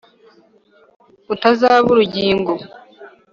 Utazaba uruzingo